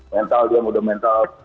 mental dia sudah mental